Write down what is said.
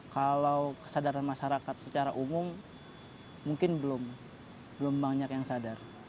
kalau kesadaran masyarakat secara umum mungkin belum banyak yang sadar